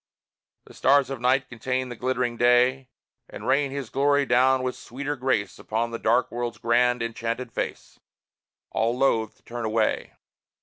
The stars of Night contain the glittering Day And rain his glory down with sweeter grace Upon the dark World's grand, enchanted face All loth to turn away.